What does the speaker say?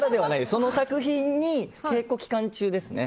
その作品の稽古期間中ですね。